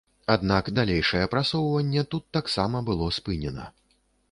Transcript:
Аднак далейшае прасоўванне тут таксама было спынена.